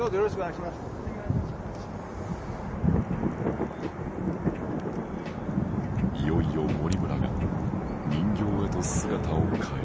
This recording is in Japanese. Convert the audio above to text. いよいよ森村が人形へと姿を変える。